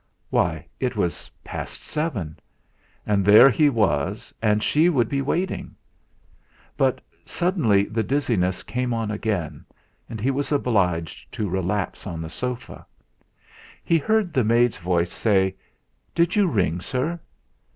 Why! it was past seven! And there he was and she would be waiting. But suddenly the dizziness came on again, and he was obliged to relapse on the sofa. He heard the maid's voice say: "Did you ring, sir?"